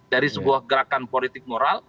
dari sebuah gerakan politik moral